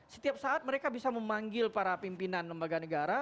setiap saat mereka bisa memanggil para pimpinan lembaga negara